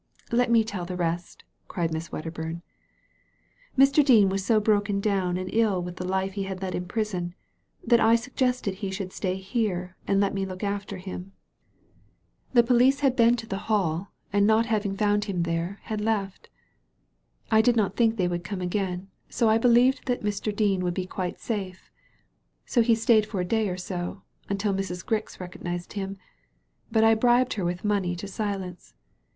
"Let me tell the rest," cried Miss Wedderbum. " Mr. Dean was so broken down and ill with the life he had led in prison, that I suggested he should stay here and let me look after him. The police bad been Digitized by Google 230 THE LADY FROM NOWHERE to the Hall, and not having found him there^ had left. I did not think they would come again, so I believed that Mr. Dean would be quite safe. So he stayed for a day or so, until Mrs. Grix recognized him, but I bribed her with money to silence.